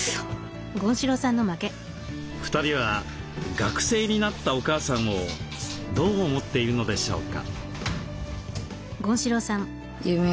２人は「学生」になったお母さんをどう思っているのでしょうか？